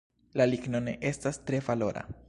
La ligno ne estas tre valora.